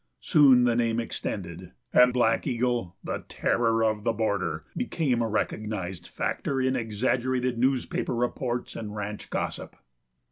Soon the name extended, and Black Eagle, the Terror of the Border, became a recognized factor in exaggerated newspaper reports and ranch gossip.